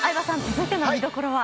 続いての見どころは？